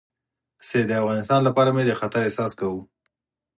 چې د افغانستان لپاره مې د خطر احساس کاوه.